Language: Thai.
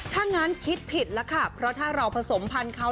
ถ้างั้นคิดผิดแล้วค่ะเพราะถ้าเราผสมพันธุ์เขา